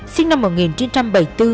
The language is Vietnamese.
sinh năm một nghìn chín trăm bảy mươi năm